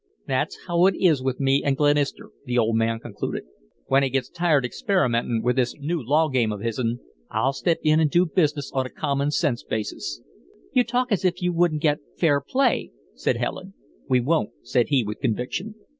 "That's how it is with me an' Glenister," the old man concluded. "When he gets tired experimentin' with this new law game of hisn, I'll step in an' do business on a common sense basis." "You talk as if you wouldn't get fair play," said Helen. "We won't," said he, with conviction.